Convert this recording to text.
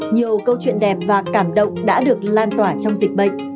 nhiều câu chuyện đẹp và cảm động đã được lan tỏa trong dịch bệnh